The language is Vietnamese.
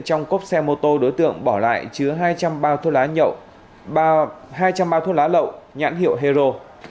trong cốp xe mô tô đối tượng bỏ lại chứa hai trăm linh bao thuốc lá lậu nhãn hiệu hero